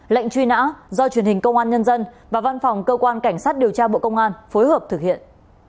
lệnh truy nã do truyền hình công an nhân dân và văn phòng cơ quan cảnh sát điều tra bộ công an phối hợp thực hiện